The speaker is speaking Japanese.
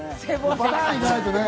バタン行かないとね。